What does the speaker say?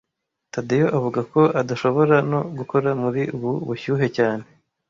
Tadeyo avuga ko adashobora no gukora muri ubu bushyuhe cyane